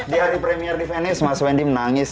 di hari premier di venice mas wendy menangis